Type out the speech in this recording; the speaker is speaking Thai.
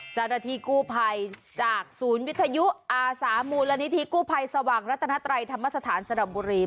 จรฐีกู้ภัยจากศูนย์วิทยุอาสามูรณิฐีกู้ภัยสว่างรัฐนัตรัยธรรมสถานสระบุรี